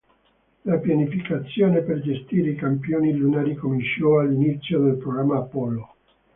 La pianificazione per gestire i campioni lunari cominciò all'inizio del programma Apollo.